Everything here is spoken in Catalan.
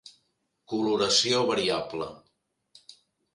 Coloració variable.